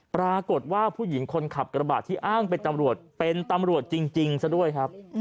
ปรากฏว่าผู้หญิงคนขับกระบาดที่อ้างเป็นตำรวจเป็นตำรวจจริงซะด้วยครับ